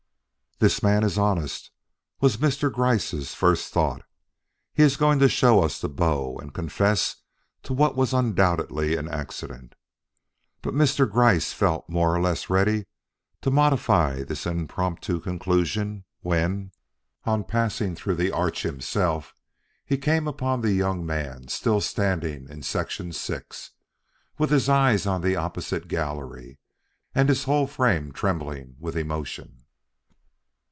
"The man is honest," was Mr. Gryce's first thought. "He is going to show us the bow and confess to what was undoubtedly an accident." But Mr. Gryce felt more or less ready to modify this impromptu conclusion when, on passing through the arch himself he came upon the young man still standing in Section VI, with his eyes on the opposite gallery and his whole frame trembling with emotion.